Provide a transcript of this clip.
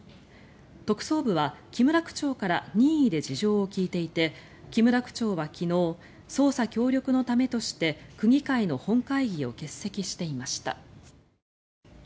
特捜部は木村区長から任意で事情を聴いていて木村区長は昨日捜査協力のためとして区議会の本会議を欠席していました。